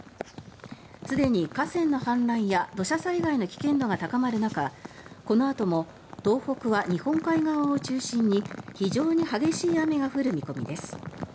すでに河川の氾濫や土砂災害の危険度が高まる中このあとも東北は日本海側を中心に非常に激しい雨が降る見込みです。